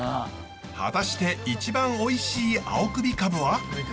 果たして一番おいしい青首カブは？